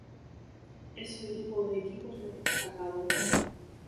Es el grupo de equipos más destacado.